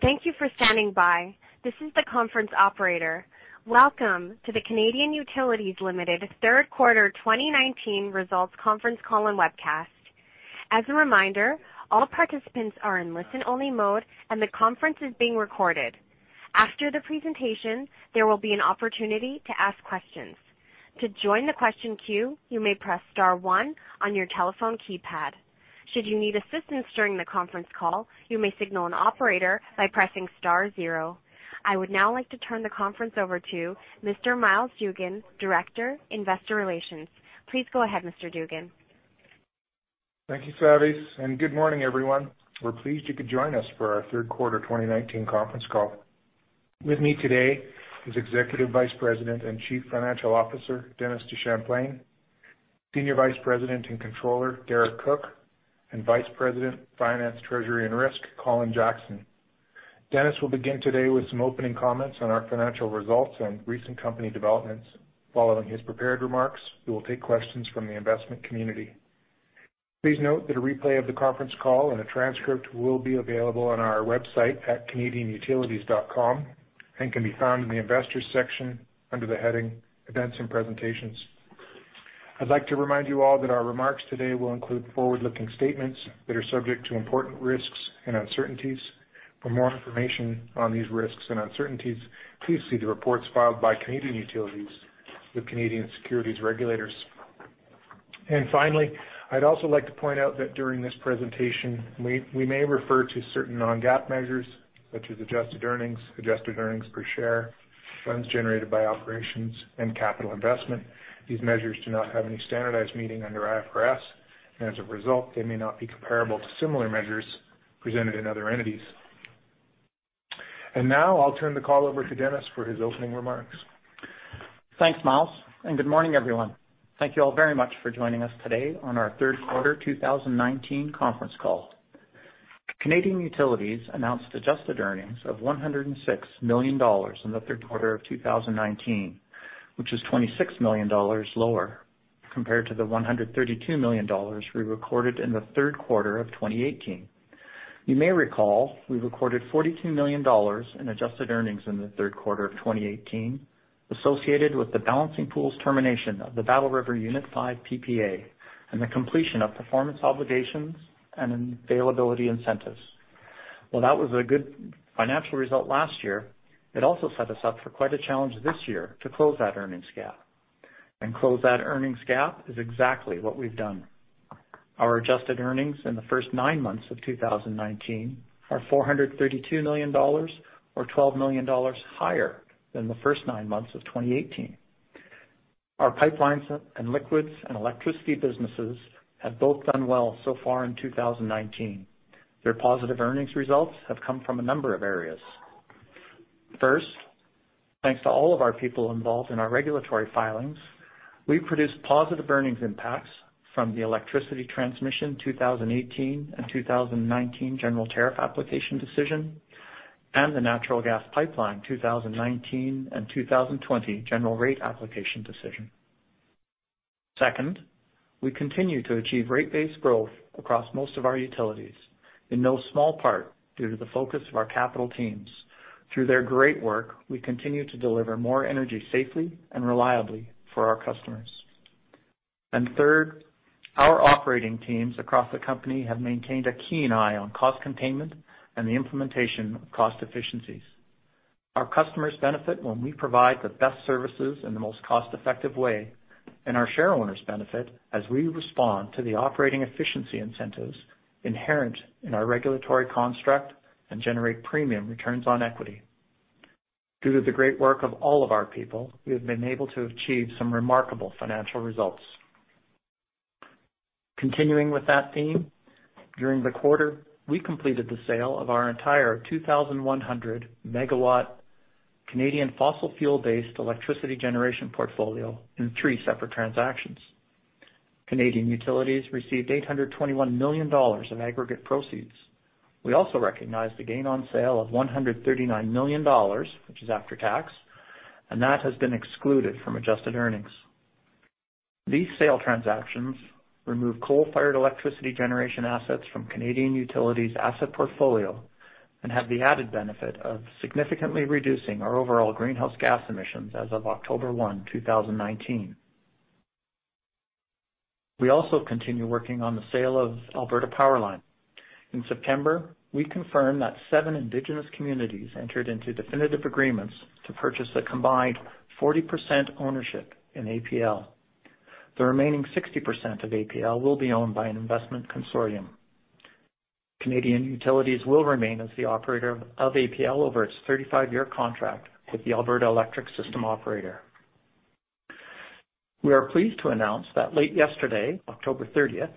Thank you for standing by. This is the conference operator. Welcome to the Canadian Utilities Limited Third Quarter 2019 Results Conference Call and Webcast. As a reminder, all participants are in listen-only mode, and the conference is being recorded. After the presentation, there will be an opportunity to ask questions. To join the question queue, you may press star one on your telephone keypad. Should you need assistance during the conference call, you may signal an operator by pressing star zero. I would now like to turn the conference over to Mr. Myles Dougan, Director, Investor Relations. Please go ahead, Mr. Dougan. Thank you, Savis, and good morning, everyone. We're pleased you could join us for our third quarter 2019 conference call. With me today is Executive Vice President and Chief Financial Officer, Dennis DeChamplain, Senior Vice President and Controller, Derek Cook, and Vice President, Finance, Treasury, and Risk, Colin Jackson. Dennis will begin today with some opening comments on our financial results and recent company developments. Following his prepared remarks, we will take questions from the investment community. Please note that a replay of the conference call and a transcript will be available on our website at canadianutilities.com and can be found in the Investors section under the heading Events and Presentations. I'd like to remind you all that our remarks today will include forward-looking statements that are subject to important risks and uncertainties. For more information on these risks and uncertainties, please see the reports filed by Canadian Utilities with Canadian securities regulators. Finally, I'd also like to point out that during this presentation, we may refer to certain non-GAAP measures such as adjusted earnings, adjusted earnings per share, funds generated by operations, and capital investment. These measures do not have any standardized meaning under IFRS. As a result, they may not be comparable to similar measures presented in other entities. Now I'll turn the call over to Dennis for his opening remarks. Thanks, Myles, good morning, everyone. Thank you all very much for joining us today on our third quarter 2019 conference call. Canadian Utilities announced adjusted earnings of 106 million dollars in the third quarter of 2019, which is 26 million dollars lower compared to the 132 million dollars we recorded in the third quarter of 2018. You may recall we recorded 42 million dollars in adjusted earnings in the third quarter of 2018 associated with the Balancing Pool's termination of the Battle River Unit 5 PPA and the completion of performance obligations and availability incentives. That was a good financial result last year, it also set us up for quite a challenge this year to close that earnings gap. Close that earnings gap is exactly what we've done. Our adjusted earnings in the first nine months of 2019 are 432 million dollars, or 12 million dollars higher than the first nine months of 2018. Our pipelines and liquids and electricity businesses have both done well so far in 2019. Their positive earnings results have come from a number of areas. Thanks to all of our people involved in our regulatory filings, we've produced positive earnings impacts from the electricity transmission 2018 and 2019 general tariff application decision and the natural gas pipeline 2019 and 2020 general rate application decision. We continue to achieve rate-based growth across most of our utilities in no small part due to the focus of our capital teams. Through their great work, we continue to deliver more energy safely and reliably for our customers. Third, our operating teams across the company have maintained a keen eye on cost containment and the implementation of cost efficiencies. Our customers benefit when we provide the best services in the most cost-effective way, and our shareholders benefit as we respond to the operating efficiency incentives inherent in our regulatory construct and generate premium returns on equity. Due to the great work of all of our people, we have been able to achieve some remarkable financial results. Continuing with that theme, during the quarter, we completed the sale of our entire 2,100-megawatt Canadian fossil fuel-based electricity generation portfolio in three separate transactions. Canadian Utilities received 821 million dollars in aggregate proceeds. We also recognized a gain on sale of 139 million dollars, which is after tax, and that has been excluded from adjusted earnings. These sale transactions remove coal-fired electricity generation assets from Canadian Utilities' asset portfolio and have the added benefit of significantly reducing our overall greenhouse gas emissions as of October 1, 2019. We also continue working on the sale of Alberta PowerLine. In September, we confirmed that seven indigenous communities entered into definitive agreements to purchase a combined 40% ownership in APL. The remaining 60% of APL will be owned by an investment consortium. Canadian Utilities will remain as the operator of APL over its 35-year contract with the Alberta Electric System Operator. We are pleased to announce that late yesterday, October 30th,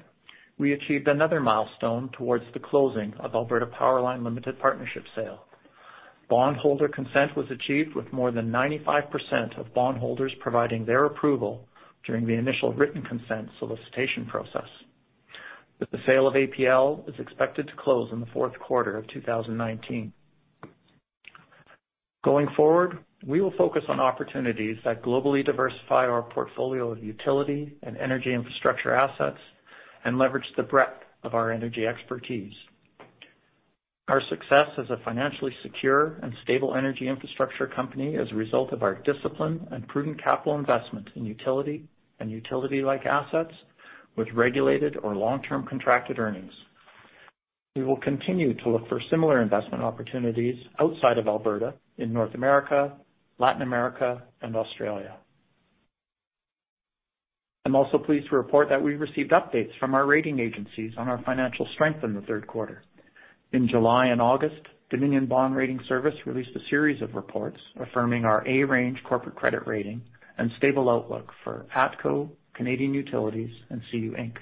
we achieved another milestone towards the closing of Alberta PowerLine Limited Partnership sale. Bondholder consent was achieved with more than 95% of bondholders providing their approval during the initial written consent solicitation process. With the sale of APL is expected to close in the fourth quarter of 2019. Going forward, we will focus on opportunities that globally diversify our portfolio of utility and energy infrastructure assets and leverage the breadth of our energy expertise. Our success as a financially secure and stable energy infrastructure company is a result of our discipline and prudent capital investment in utility and utility-like assets with regulated or long-term contracted earnings. We will continue to look for similar investment opportunities outside of Alberta in North America, Latin America, and Australia. I'm also pleased to report that we received updates from our rating agencies on our financial strength in the third quarter. In July and August, Dominion Bond Rating Service released a series of reports affirming our A-range corporate credit rating and stable outlook for ATCO, Canadian Utilities, and CU Inc.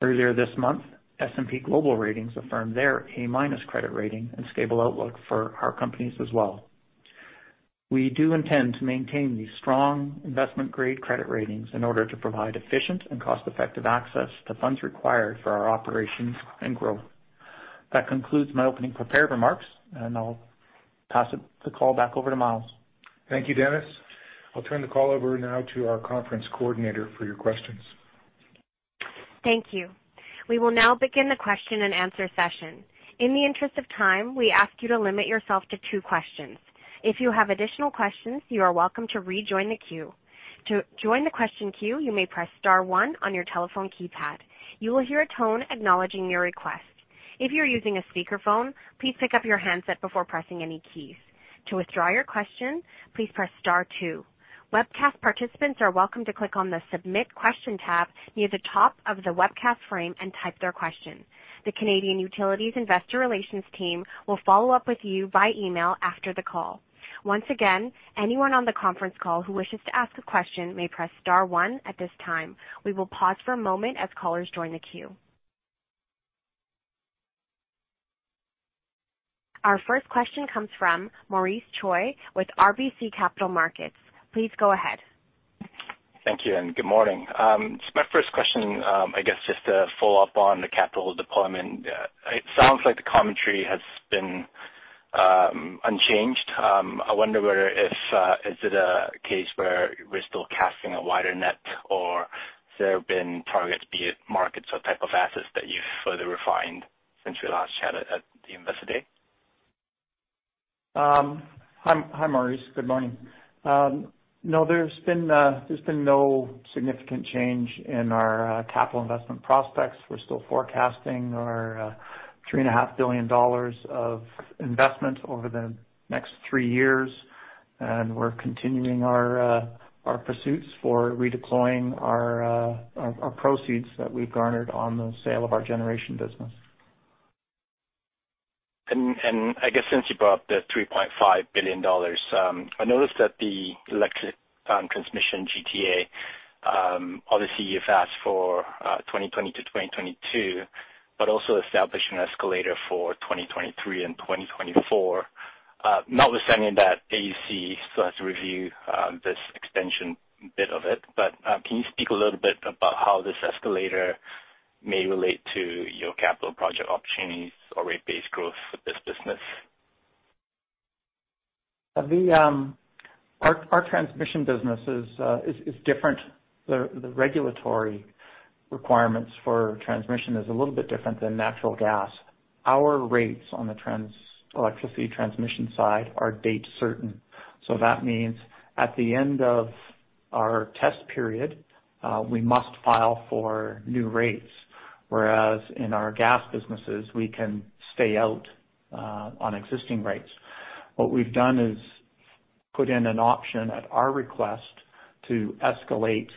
Earlier this month, S&P Global Ratings affirmed their A- credit rating and stable outlook for our companies as well. We do intend to maintain these strong investment-grade credit ratings in order to provide efficient and cost-effective access to funds required for our operations and growth. That concludes my opening prepared remarks, and I'll pass the call back over to Myles. Thank you, Dennis. I'll turn the call over now to our conference coordinator for your questions. Thank you. We will now begin the question and answer session. In the interest of time, we ask you to limit yourself to two questions. If you have additional questions, you are welcome to rejoin the queue. To join the question queue, you may press star one on your telephone keypad. You will hear a tone acknowledging your request. If you are using a speakerphone, please pick up your handset before pressing any keys. To withdraw your question, please press star two. Webcast participants are welcome to click on the Submit Question tab near the top of the webcast frame and type their question. The Canadian Utilities investor relations team will follow up with you by email after the call. Once again, anyone on the conference call who wishes to ask a question may press star one at this time. We will pause for a moment as callers join the queue. Our first question comes from Maurice Choy with RBC Capital Markets. Please go ahead. Thank you and good morning. My first question, I guess just to follow up on the capital deployment. It sounds like the commentary has been unchanged. I wonder is it a case where we're still casting a wider net, or there have been targets, be it markets or type of assets, that you've further refined since we last chatted at the Investor Day? Hi, Maurice. Good morning. No, there's been no significant change in our capital investment prospects. We're still forecasting our 3.5 billion dollars of investment over the next three years, and we're continuing our pursuits for redeploying our proceeds that we've garnered on the sale of our generation business. I guess since you brought up the 3.5 billion dollars, I noticed that the electric transmission GTA, obviously you've asked for 2020-2022, but also established an escalator for 2023 and 2024. Notwithstanding that AUC still has to review this extension bit of it, but can you speak a little bit about how this escalator may relate to your capital project opportunities or rate base growth for this business? Our transmission business is different. The regulatory requirements for transmission is a little bit different than natural gas. Our rates on the electricity transmission side are date certain. That means at the end of our test period, we must file for new rates, whereas in our gas businesses, we can stay out on existing rates. What we've done is put in an option at our request to escalate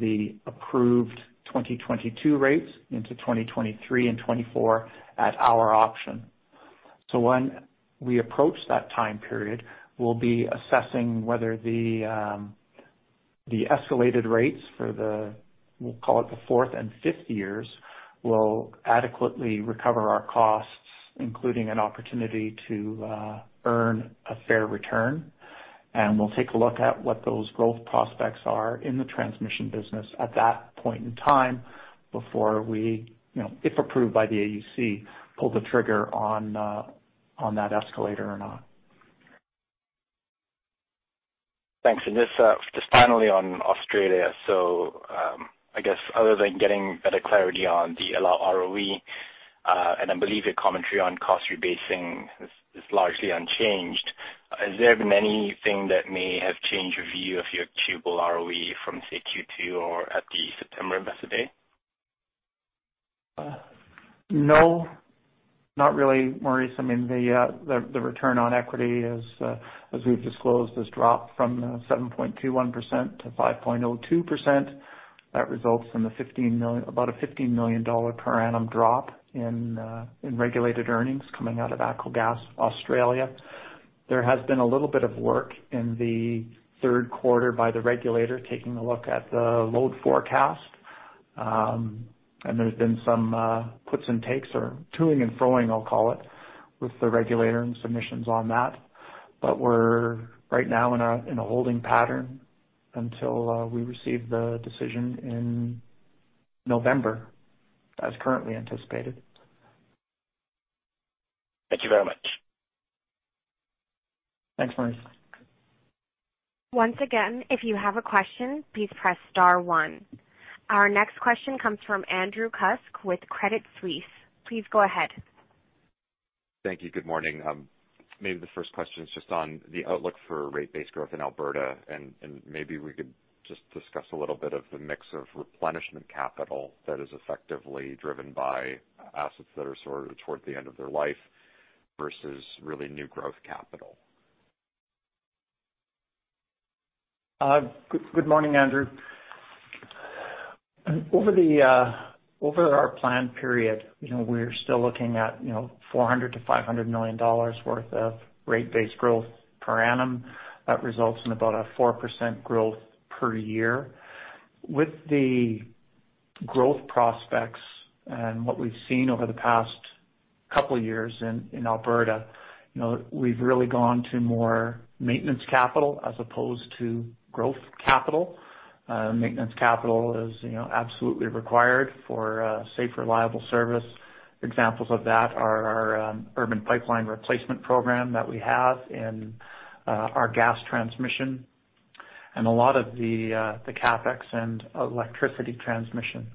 the approved 2022 rates into 2023 and 2024 at our option. When we approach that time period, we'll be assessing whether the escalated rates for the, we'll call it the fourth and fifth years, will adequately recover our costs, including an opportunity to earn a fair return. We'll take a look at what those growth prospects are in the transmission business at that point in time before we, if approved by the AUC, pull the trigger on that escalator or not. Thanks. Just finally on Australia. I guess other than getting better clarity on the ROE, and I believe your commentary on cost rebasing is largely unchanged, has there been anything that may have changed your view of your total ROE from, say, Q2 or at the September Investor Day? No, not really, Maurice. The return on equity, as we've disclosed, has dropped from 7.21% to 5.02%. That results in about a 15 million dollar per annum drop in regulated earnings coming out of ATCO Gas, Australia. There has been a little bit of work in the third quarter by the regulator taking a look at the load forecast. There's been some puts and takes or to-ing and fro-ing, I'll call it, with the regulator and submissions on that. We're right now in a holding pattern until we receive the decision in November, as currently anticipated. Thank you very much. Thanks, Maurice. Once again, if you have a question, please press star one. Our next question comes from Andrew Kuske with Credit Suisse. Please go ahead. Thank you. Good morning. Maybe the first question is just on the outlook for rate base growth in Alberta, and maybe we could just discuss a little of the mix of replenishment capital that is effectively driven by assets that are sort of toward the end of their life versus really new growth capital. Good morning, Andrew. Over our plan period, we're still looking at 400 million-500 million dollars worth of rate base growth per annum. That results in about a 4% growth per year. With the growth prospects and what we've seen over the past couple of years in Alberta, we've really gone to more maintenance capital as opposed to growth capital. Maintenance capital is absolutely required for safe, reliable service. Examples of that are our urban pipeline replacement program that we have in our gas transmission and a lot of the CapEx and electricity transmission.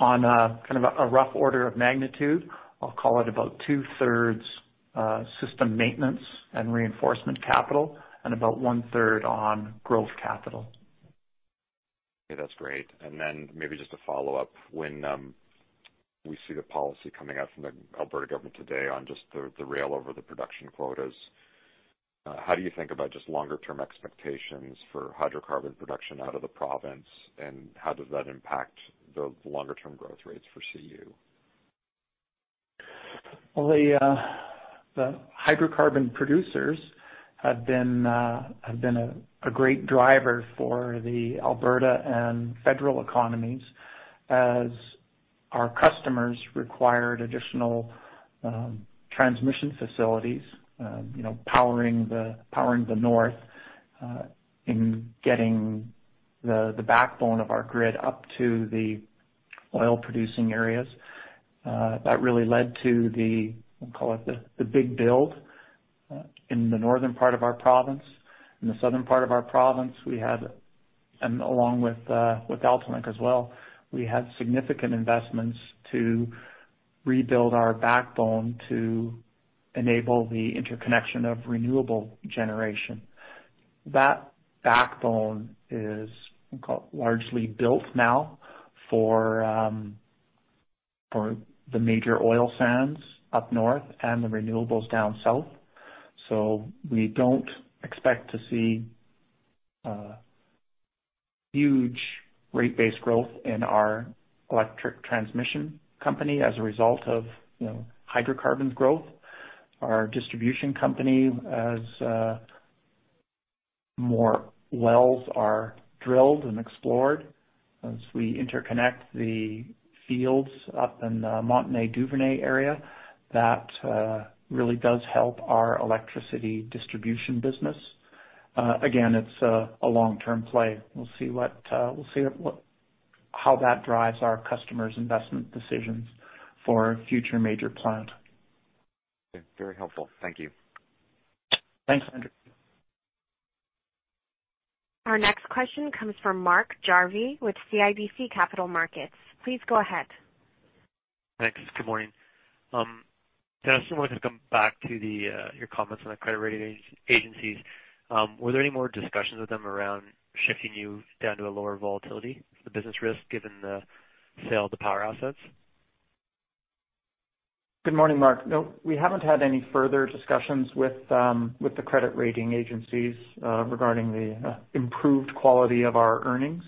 On a rough order of magnitude, I'll call it about two-thirds system maintenance and reinforcement capital and about one-third on growth capital. Okay, that's great. Maybe just a follow-up. When we see the policy coming out from the Alberta government today on just the rail over the production quotas, how do you think about just longer-term expectations for hydrocarbon production out of the province, and how does that impact the longer-term growth rates for CU? The hydrocarbon producers have been a great driver for the Alberta and federal economies as our customers required additional transmission facilities, powering the north, in getting the backbone of our grid up to the oil-producing areas. That really led to the, we'll call it, the big build in the northern part of our province. The southern part of our province, we had, and along with AltaLink as well, we had significant investments to rebuild our backbone to enable the interconnection of renewable generation. The backbone is, we call it, largely built now for the major oil sands up north and the renewables down south. We don't expect to see huge rate base growth in our electric transmission company as a result of hydrocarbons growth. Our distribution company, as more wells are drilled and explored, as we interconnect the fields up in the Montney-Duvernay area, that really does help our electricity distribution business. Again, it's a long-term play. We'll see how that drives our customers' investment decisions for future major plans. Very helpful. Thank you. Thanks, Andrew. Our next question comes from Mark Jarvi with CIBC Capital Markets. Please go ahead. Thanks. Good morning. Dennis, I wanted to come back to your comments on the credit rating agencies. Were there any more discussions with them around shifting you down to a lower volatility, the business risk, given the sale of the power assets? Good morning, Mark. No, we haven't had any further discussions with the credit rating agencies regarding the improved quality of our earnings.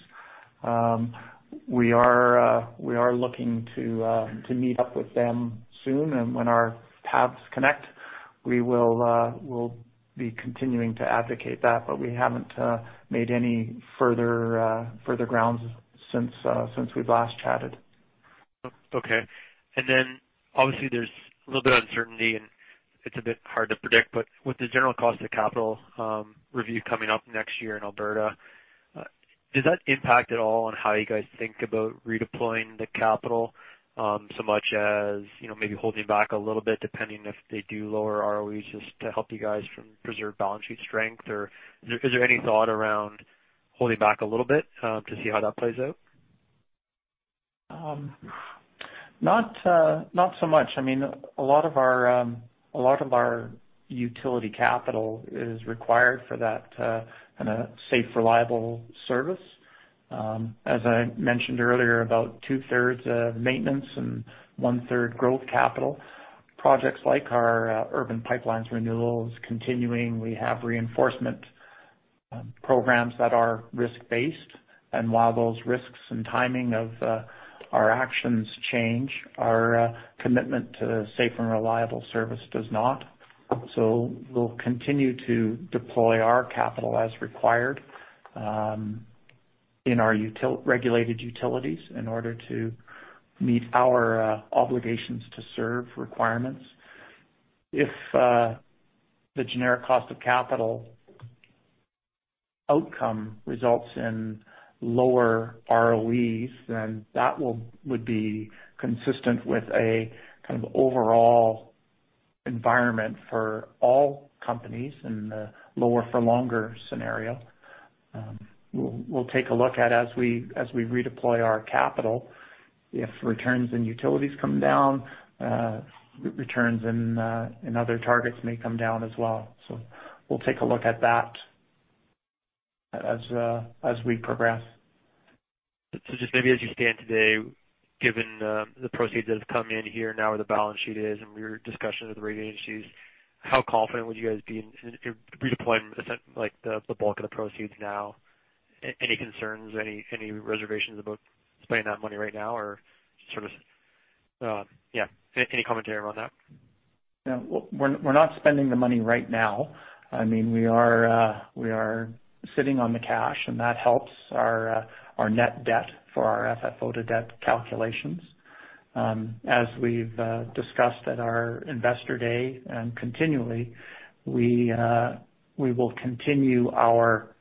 We are looking to meet up with them soon, and when our paths connect, we'll be continuing to advocate that, but we haven't made any further grounds since we've last chatted. Okay. Obviously, there's a little bit of uncertainty, and it's a bit hard to predict, but with the generic cost of capital review coming up next year in Alberta, does that impact at all on how you guys think about redeploying the capital so much as maybe holding back a little bit depending if they do lower ROEs just to help you guys preserve balance sheet strength? Is there any thought around holding back a little bit to see how that plays out? Not so much. A lot of our utility capital is required for that safe, reliable service. As I mentioned earlier, about two-thirds maintenance and one-third growth capital. Projects like our urban pipeline replacement program is continuing. We have reinforcement programs that are risk-based. While those risks and timing of our actions change, our commitment to safe and reliable service does not. We'll continue to deploy our capital as required in our regulated utilities in order to meet our obligations to serve requirements. If the generic cost of capital results in lower ROEs, that would be consistent with a kind of overall environment for all companies in the lower for longer scenario. We'll take a look at as we redeploy our capital, if returns in utilities come down, returns in other targets may come down as well. We'll take a look at that as we progress. Just maybe as you stand today, given the proceeds that have come in here now where the balance sheet is and your discussion of the rating issues, how confident would you guys be in redeploying the bulk of the proceeds now? Any concerns, any reservations about spending that money right now, or sort of, yeah, any commentary around that? Yeah. We're not spending the money right now. We are sitting on the cash, and that helps our net debt for our FFO to debt calculations. As we've discussed at our investor day and continually, we will continue our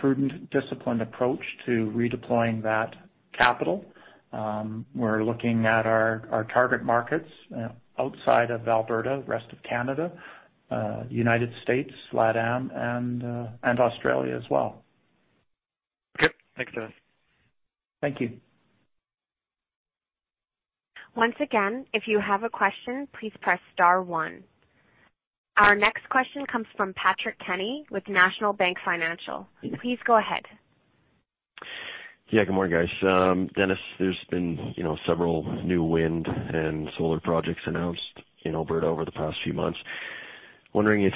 prudent, disciplined approach to redeploying that capital. We're looking at our target markets outside of Alberta, rest of Canada, United States, LATAM, and Australia as well. Okay. Thanks, Dennis. Thank you. Once again, if you have a question, please press star one. Our next question comes from Patrick Kenny with National Bank Financial. Please go ahead. Good morning, guys. Dennis, there's been several new wind and solar projects announced in Alberta over the past few months. Wondering if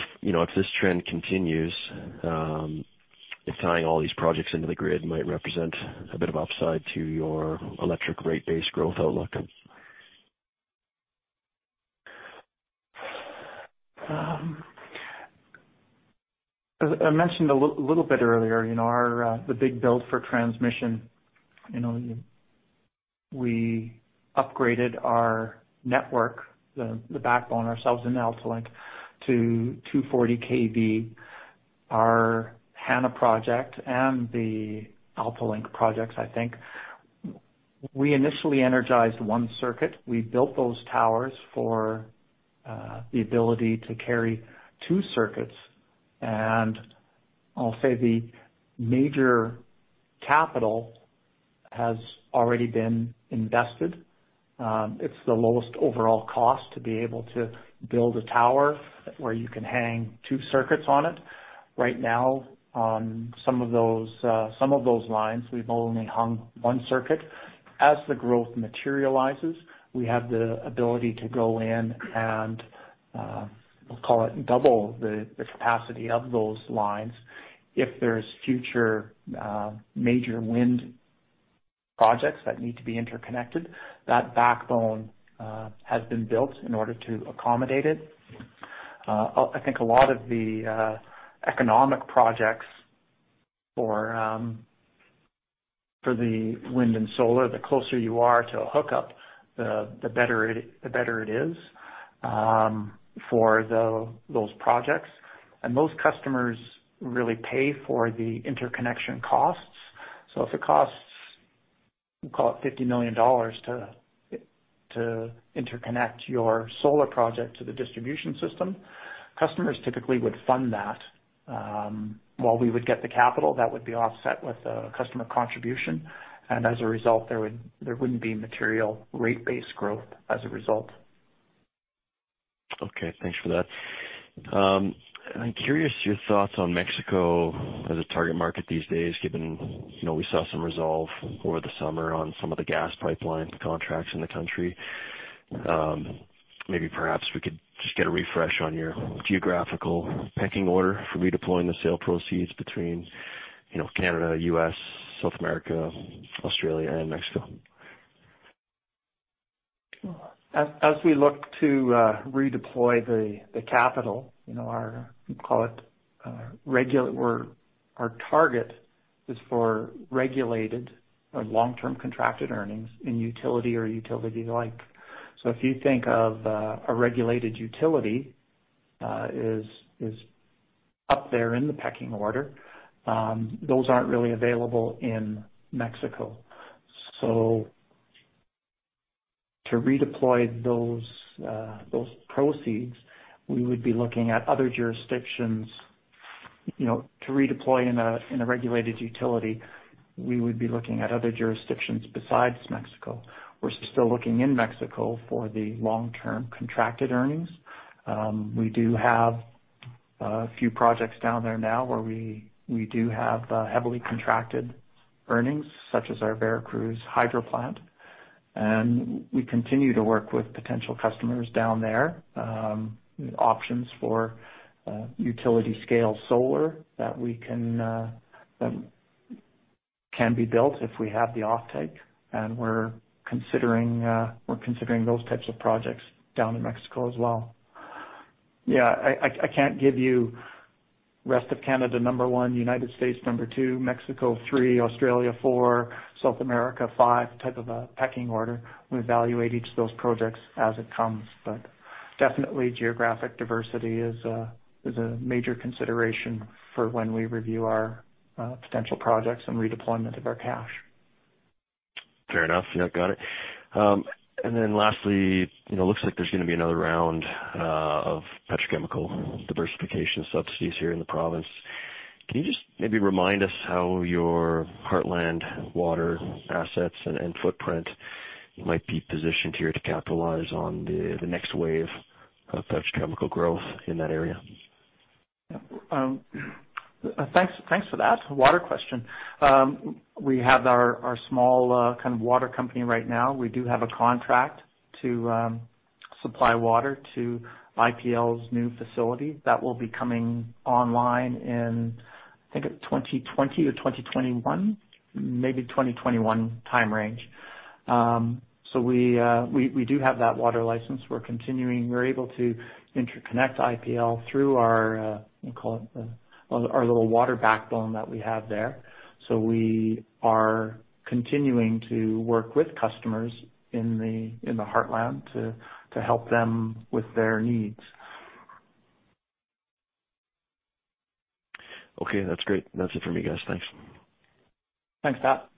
this trend continues, if tying all these projects into the grid might represent a bit of upside to your electric rate base growth outlook. I mentioned a little bit earlier, the big build for transmission. We upgraded our network, the backbone ourselves in AltaLink to 240 kV, our Hanna project and the AltaLink projects, I think. We initially energized one circuit. We built those towers for the ability to carry two circuits. I'll say the major capital has already been invested. It's the lowest overall cost to be able to build a tower where you can hang two circuits on it. Right now, on some of those lines, we've only hung one circuit. As the growth materializes, we have the ability to go in and, we'll call it, double the capacity of those lines. If there's future major wind projects that need to be interconnected, that backbone has been built in order to accommodate it. I think a lot of the economic projects for the wind and solar, the closer you are to a hookup, the better it is for those projects. Those customers really pay for the interconnection costs. If it costs, we'll call it 50 million dollars to interconnect your solar project to the distribution system, customers typically would fund that. While we would get the capital, that would be offset with a customer contribution, and as a result, there wouldn't be material rate-based growth as a result. Okay, thanks for that. I'm curious your thoughts on Mexico as a target market these days, given we saw some resolve over the summer on some of the gas pipeline contracts in the country. Maybe perhaps we could just get a refresh on your geographical pecking order for redeploying the sale proceeds between Canada, U.S., South America, Australia, and Mexico. As we look to redeploy the capital, our, we'll call it, our target is for regulated or long-term contracted earnings in utility or utility-like. If you think of a regulated utility is up there in the pecking order. Those aren't really available in Mexico. To redeploy those proceeds, we would be looking at other jurisdictions. To redeploy in a regulated utility, we would be looking at other jurisdictions besides Mexico. We're still looking in Mexico for the long-term contracted earnings. We do have a few projects down there now where we do have heavily contracted earnings, such as our Veracruz hydro plant. We continue to work with potential customers down there. Options for utility-scale solar that can be built if we have the offtake, we're considering those types of projects down in Mexico as well. Yeah, I can't give you rest of Canada number 1, United States number 2, Mexico 3, Australia 4, South America 5, type of a pecking order. Definitely geographic diversity is a major consideration for when we review our potential projects and redeployment of our cash. Fair enough. Yeah, got it. Lastly, it looks like there's going to be another round of petrochemical diversification subsidies here in the province. Can you just maybe remind us how your Heartland water assets and footprint might be positioned here to capitalize on the next wave of petrochemical growth in that area? Yeah. Thanks for that water question. We have our small kind of water company right now. We do have a contract to supply water to IPL's new facility that will be coming online in, I think, 2020 or 2021, maybe 2021 time range. We do have that water license. We're continuing. We're able to interconnect IPL through our little water backbone that we have there. We are continuing to work with customers in the Heartland to help them with their needs. Okay, that's great. That's it for me, guys. Thanks. Thanks, Pat.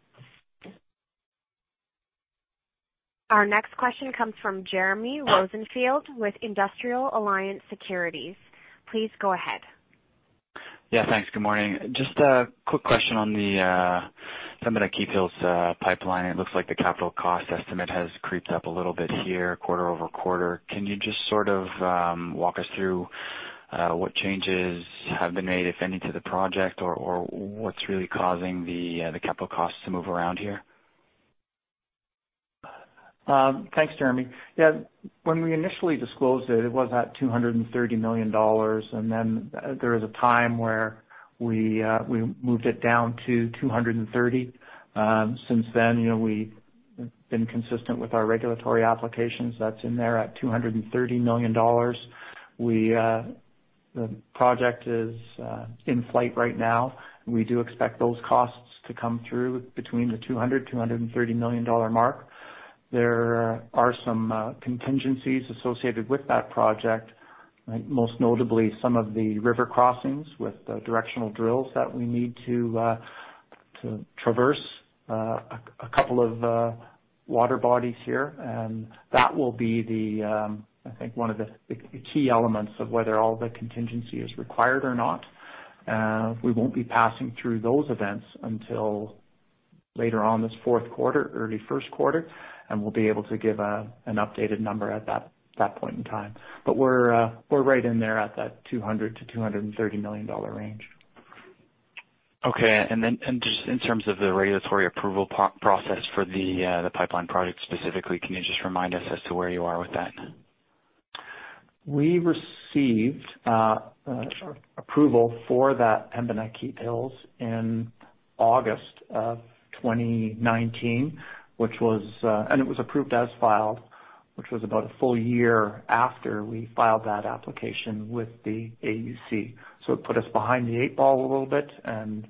Our next question comes from Jeremy Rosenfield with Industrial Alliance Securities. Please go ahead. Yeah, thanks. Good morning. Just a quick question on the Pembina Keephills Pipeline System. It looks like the capital cost estimate has creeped up a little bit here quarter-over-quarter. Can you just sort of walk us through what changes have been made, if any, to the project or what's really causing the capital costs to move around here? Thanks, Jeremy. Yeah, when we initially disclosed it was at 230 million dollars, and then there was a time where we moved it down to 230. Since then, we've been consistent with our regulatory applications. That's in there at 230 million dollars. The project is in flight right now. We do expect those costs to come through between the 200 million-230 million dollar mark. There are some contingencies associated with that project, most notably some of the river crossings with directional drills that we need to traverse a couple of water bodies here. That will be, I think, one of the key elements of whether all the contingency is required or not. We won't be passing through those events until later on this fourth quarter, early first quarter, and we'll be able to give an updated number at that point in time. We're right in there at that 200 million-230 million dollar range. Okay. Just in terms of the regulatory approval process for the pipeline project specifically, can you just remind us as to where you are with that? We received approval for that Pembina Keephills in August of 2019. It was approved as filed, which was about a full year after we filed that application with the AUC. It put us behind the eight ball a little bit and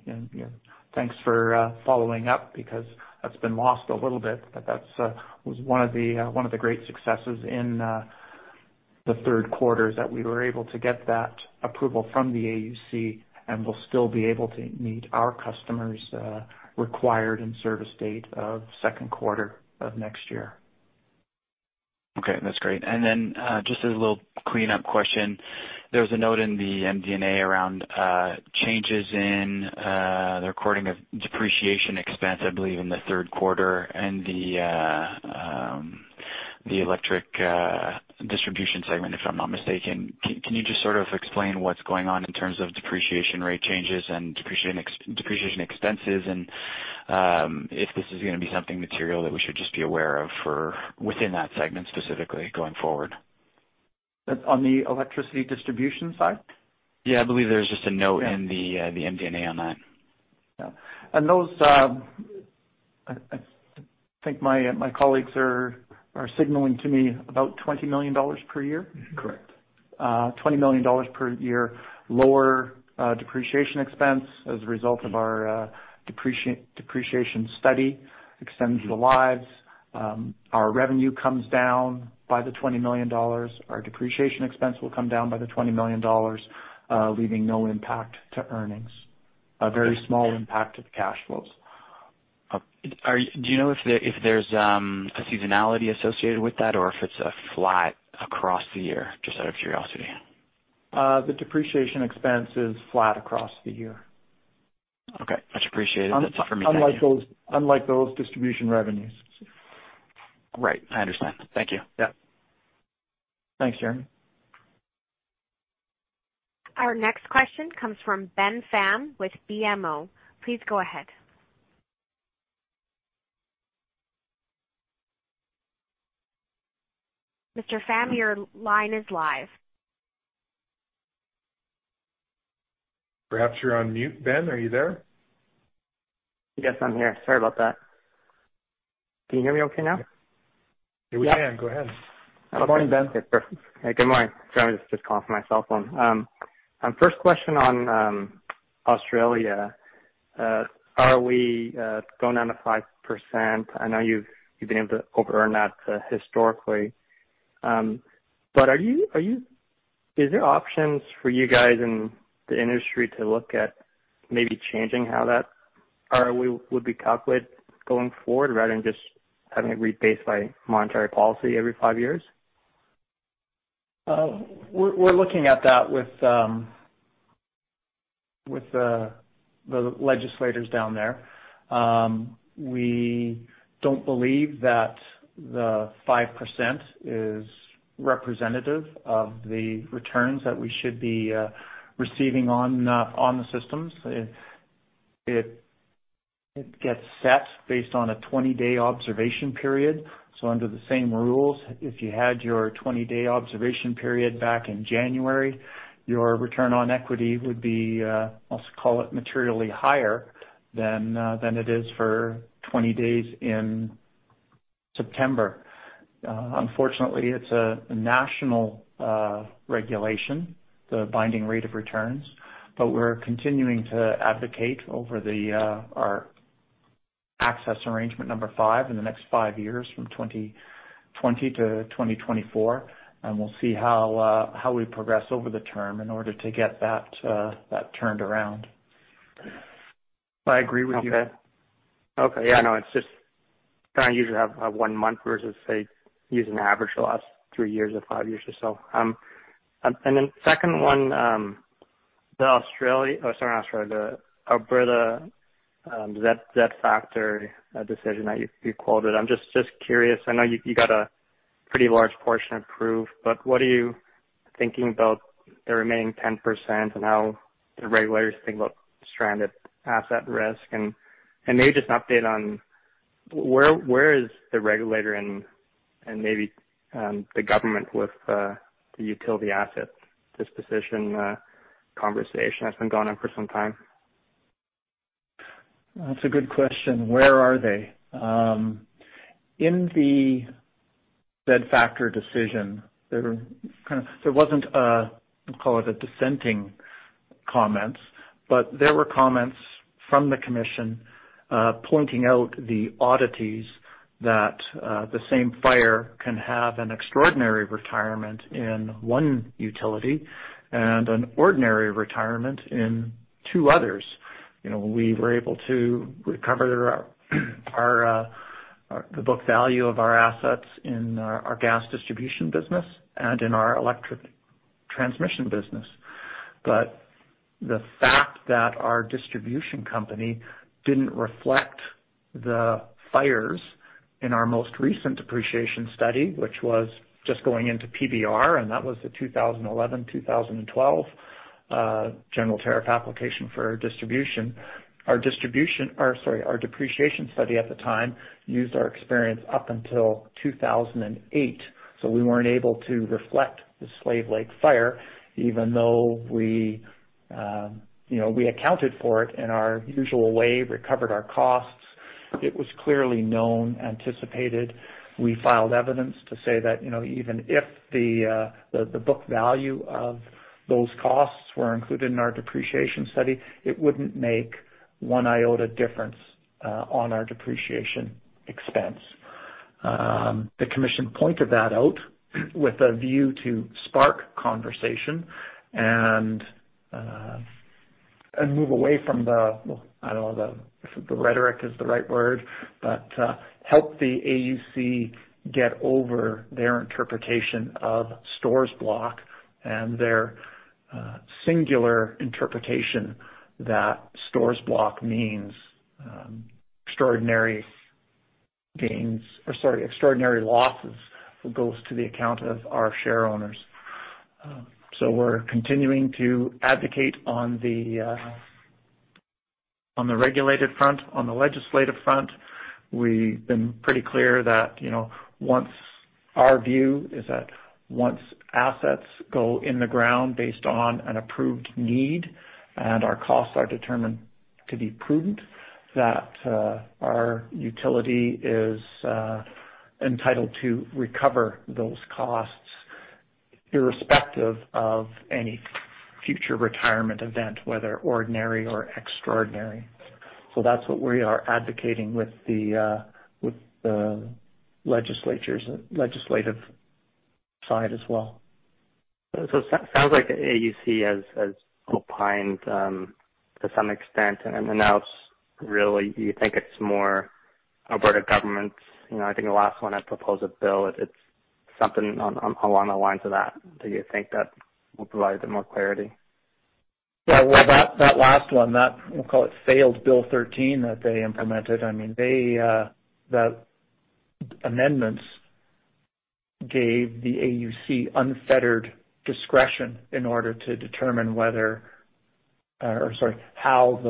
thanks for following up because that's been lost a little bit, but that was one of the great successes in the third quarter, that we were able to get that approval from the AUC, and we'll still be able to meet our customer's required in-service date of second quarter of next year. Okay, that's great. Just as a little cleanup question, there was a note in the MD&A around changes in the recording of depreciation expense, I believe, in the third quarter in the electric distribution segment, if I'm not mistaken. Can you just sort of explain what's going on in terms of depreciation rate changes and depreciation expenses, and if this is going to be something material that we should just be aware of for within that segment, specifically going forward? On the electricity distribution side? Yeah, I believe there's just a note in the MD&A on that. Yeah. I think my colleagues are signaling to me about 20 million dollars per year. Correct. 20 million dollars per year lower depreciation expense as a result of our depreciation study extends the lives. Our revenue comes down by the 20 million dollars. Our depreciation expense will come down by the 20 million dollars, leaving no impact to earnings. A very small impact to the cash flows. Do you know if there's a seasonality associated with that or if it's a flat across the year, just out of curiosity? The depreciation expense is flat across the year. Okay. Much appreciated. That's it for me. Thank you. Unlike those distribution revenues. Right. I understand. Thank you. Yeah. Thanks, Jeremy. Our next question comes from Ben Pham with BMO. Please go ahead. Mr. Pham, your line is live. Perhaps you're on mute, Ben. Are you there? Yes, I'm here. Sorry about that. Can you hear me okay now? Yeah, we can. Go ahead. Good morning, Ben. Okay, perfect. Good morning. Sorry, I'm just calling from my cell phone. First question on Australia, are we going down to 5%? I know you've been able to over-earn that historically. Is there options for you guys in the industry to look at maybe changing how that ROE would be calculated going forward rather than just having it rebased by monetary policy every five years? We're looking at that with the legislators down there. We don't believe that the 5% is representative of the returns that we should be receiving on the systems. It gets set based on a 20-day observation period. Under the same rules, if you had your 20-day observation period back in January, your return on equity would be, let's call it materially higher than it is for 20 days in September. Unfortunately, it's a national regulation, the binding rate of returns, but we're continuing to advocate over our access arrangement number five in the next five years from 2020 to 2024, and we'll see how we progress over the term in order to get that turned around. I agree with you. Okay. It's just trying to usually have one month versus, say, using the average the last three years or five years or so. Second one, the Alberta Z factor decision that you quoted. I'm just curious, I know you got a pretty large portion approved, but what are you thinking about the remaining 10% and how the regulators think about stranded asset risk? Maybe just an update on where is the regulator and maybe the government with the utility asset disposition conversation that's been going on for some time? That's a good question. Where are they? In the Z factor decision, there wasn't a, we'll call it dissenting comments, but there were comments from the commission pointing out the oddities that the same fire can have an extraordinary retirement in one utility and an ordinary retirement in two others. We were able to recover the book value of our assets in our gas distribution business and in our electric transmission business. The fact that our distribution company didn't reflect the fires in our most recent depreciation study, which was just going into PBR, and that was the 2011/2012 general tariff application for our distribution. Our depreciation study at the time used our experience up until 2008, so we weren't able to reflect the Slave Lake Fire even though we accounted for it in our usual way, recovered our costs. It was clearly known, anticipated. We filed evidence to say that even if the book value of those costs were included in our depreciation study, it wouldn't make one iota difference on our depreciation expense. The commission pointed that out with a view to spark conversation and move away from the, I don't know if the rhetoric is the right word, but help the AUC get over their interpretation of Stores Block and their singular interpretation that Stores Block means extraordinary losses goes to the account of our share owners. We're continuing to advocate on the regulated front. On the legislative front, we've been pretty clear that our view is that once assets go in the ground based on an approved need and our costs are determined to be prudent, that our utility is entitled to recover those costs irrespective of any future retirement event, whether ordinary or extraordinary. That's what we are advocating with the legislative side as well. It sounds like the AUC has opined to some extent, and now it's really, you think it's more Alberta government. I think the last one, that proposed bill, it's something along the lines of that. Do you think that will provide them more clarity? Yeah. Well, that last one, we'll call it failed Bill 13 that they implemented. The amendments gave the AUC unfettered discretion in order to determine how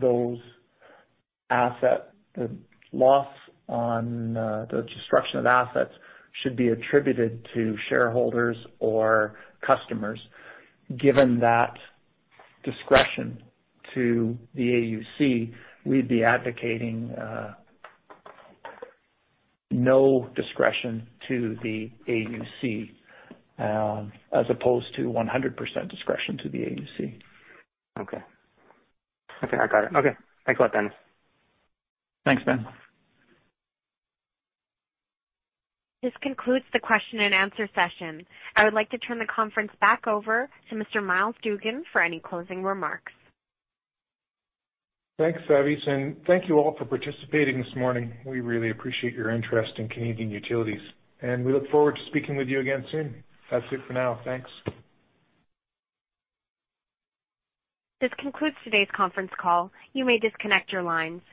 those assets, the loss on the destruction of assets should be attributed to shareholders or customers. Given that discretion to the AUC, we'd be advocating no discretion to the AUC as opposed to 100% discretion to the AUC. Okay. I think I got it. Okay. Thanks a lot, Dennis. Thanks, Ben. This concludes the question and answer session. I would like to turn the conference back over to Mr. Myles Dougan for any closing remarks. Thanks, Savis. Thank you all for participating this morning. We really appreciate your interest in Canadian Utilities, and we look forward to speaking with you again soon. That's it for now. Thanks. This concludes today's conference call. You may disconnect your lines.